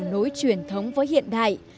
nối truyền thống với hiện đại